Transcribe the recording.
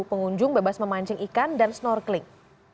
pengunjung bebas memancing ikan dan snorkeling